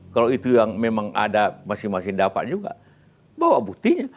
kalau itu yang memang ada masing masing dapat juga bawa buktinya